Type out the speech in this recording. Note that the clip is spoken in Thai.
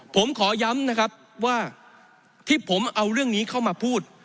ผมขอย้ำนะครับว่าที่ผมเอาเรื่องนี้เข้ามาพูด